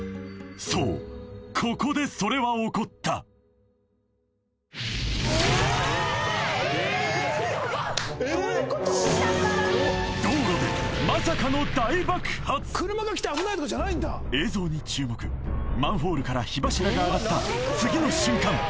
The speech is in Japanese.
そうここでそれは起こった道路で映像に注目マンホールから火柱が上がった次の瞬間